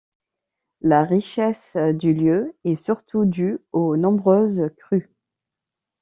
La richesse du lieu est surtout due aux nombreuses crues.